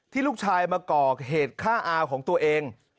ที่ลูกชายมาก่อเหตุฆ่าอาร์แห่งของตัวเอง